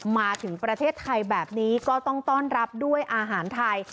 มาถึงประเทศไทยแบบนี้ก็ต้องต้อนรับด้วยอาหารไทย